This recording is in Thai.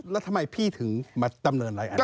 แล้วทำไมพี่ถึงมาดำเนินอะไรอันนี้